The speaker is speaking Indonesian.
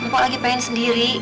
empo lagi pengen sendiri